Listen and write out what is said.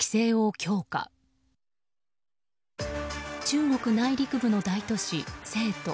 中国内陸部の大都市、成都。